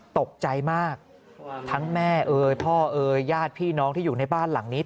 ตกใจมากทั้งแม่เอ่ยพ่อเอ่ยญาติพี่น้องที่อยู่ในบ้านหลังนี้